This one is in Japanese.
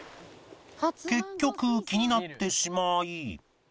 結局気になってしまい